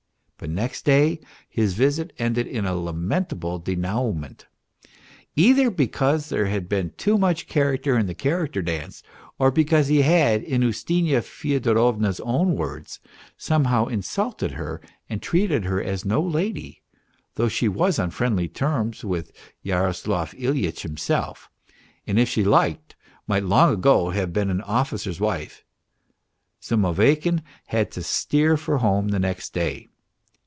But next day his visit ended in a lamentable denouement. Either because there had been too much character in the character dance, or because he had, in Ustinya Fyodorovna's own words, somehow " insulted her and treated her as no lady, though she was on friendly terms with Yaroslav Hyitch himself, and if she liked might long ago have been an officer's wife," Zimoveykin had to steer for home next day.